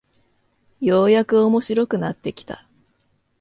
ようやく面白くなってきた